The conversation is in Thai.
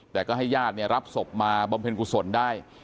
แต่ก็ให้ญาติเนี่ยรับศพมาบำเพ็ญกุศลได้